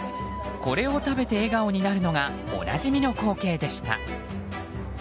これを食べて笑顔になるのがおなじみの光景でした。